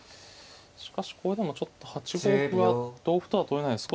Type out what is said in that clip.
しかしこれでもちょっと８五歩は同歩とは取れないです。